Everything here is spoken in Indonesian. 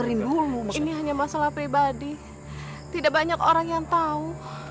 ini hanya masalah pribadi tidak banyak orang yang tahu